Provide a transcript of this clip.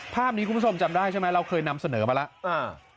ภาพนี้คุณผู้ชมจำได้ใช่ไหมเราเคยนำเสนอมาแล้วอ่า